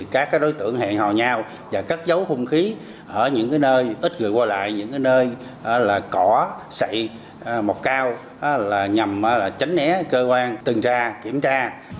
các đối tượng hẹn hò nhau và cắt dấu hương khí ở những nơi ít người qua lại những nơi cỏ sậy mọc cao nhằm tránh né cơ quan tuần tra kiểm tra